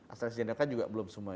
astrazeneca juga belum semua